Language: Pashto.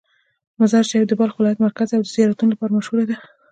مزار شریف د بلخ ولایت مرکز دی او د زیارتونو لپاره مشهوره ده.